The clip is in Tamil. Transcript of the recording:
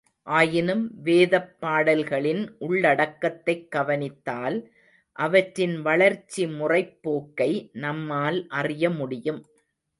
ஆயினும் வேதப்பாடல்களின் உள்ளடக்கத்தைக் கவனித்தால் அவற்றின் வளர்ச்சிமுறைப் போக்கை நம்மால் அறிய முடியும்.